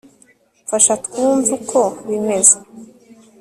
mfasha twumve uko bimeze